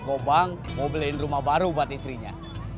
gobang mau beliin rumah baru buat istrinya